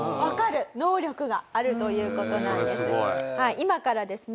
今からですね